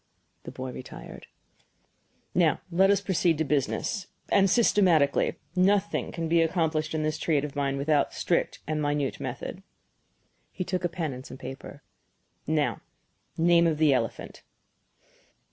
The boy retired. "Now let us proceed to business and systematically. Nothing can be accomplished in this trade of mine without strict and minute method." He took a pen and some paper. "Now name of the elephant?"